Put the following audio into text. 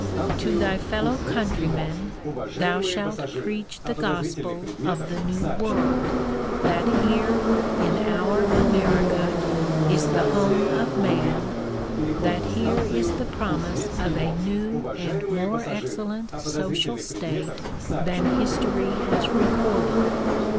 To thy fellow countrymen thou shalt preach the gospel of the New World, that here, in our America, is the home of man, that here is the promise of a new and more excellent social state than history has recorded.